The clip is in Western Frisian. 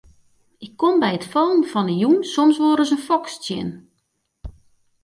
Ik kom by it fallen fan 'e jûn soms wol ris in foks tsjin.